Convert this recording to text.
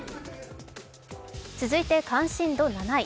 続いて関心度７位。